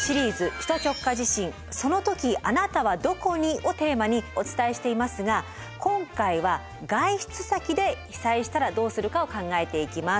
首都直下地震「その時あなたはどこに？」をテーマにお伝えしていますが今回は外出先で被災したらどうするかを考えていきます。